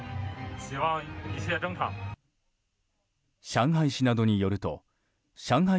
上海市などによると上海